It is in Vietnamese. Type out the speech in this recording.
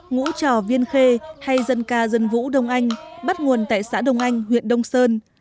ngũ trò viên khê hay dân ca dân vũ đông anh bắt nguồn tại xã đông anh huyện đông sơn